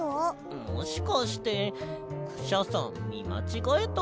もしかしてクシャさんみまちがえたんじゃ。